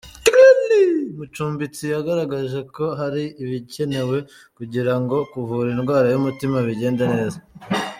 Mucumbitsi yagaragaje ko hari ibigikenewe kugira ngo kuvura indwara y’umutima bigende neza.